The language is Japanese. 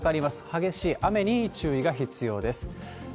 激しい雨に注意が必要です。